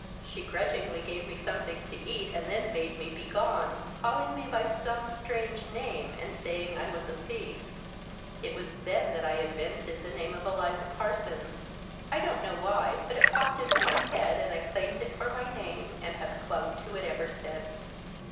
She grudgingly gave me something to eat and then bade me begone, calling me by some strange name and saying I was a thief. It was then that I invented the name of Eliza Parsons. I don't know why, but it popped into my head and I claimed it for my name and have clung to it ever since."